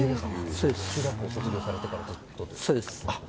中学校を卒業されてからということですか。